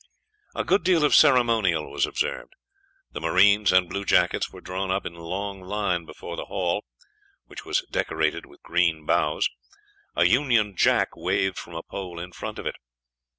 A good deal of ceremonial was observed. The marines and bluejackets were drawn up in line before the hall, which was decorated with green boughs; a Union jack waved from a pole in front of it.